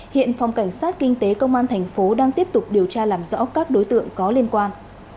hiện phòng cảnh sát kinh tế công an thành phố đang tiếp tục điều tra làm rõ các đối tượng có liên quan